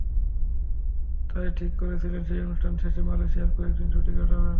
তাই ঠিক করেছিলেন, সেই অনুষ্ঠান শেষে মালয়েশিয়ায় কয়েক দিন ছুটি কাটাবেন।